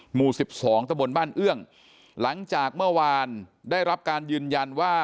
หมู่๑๒ตะบนบ้านเอื้องหลังจากเมื่อวานได้รับการยืนยันว่า